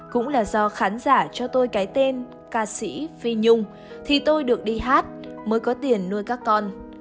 cũng là do khán giả cho tôi cái tên ca sĩ phi nhung thì tôi được đi hát mới có tiền nuôi các con